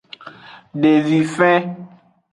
Devifen.